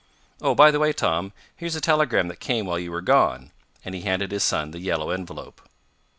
"Oh, by the way, Tom, here's a telegram that came while you were gone," and he handed his son the yellow envelope.